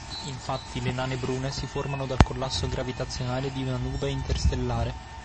Infatti, le nane brune, si formano dal collasso gravitazionale di una nube interstellare.